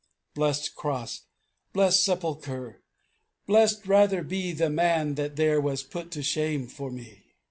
'" "Blest Cross! blest Sepulchre! Blest rather be The Man that there was put to shame for me."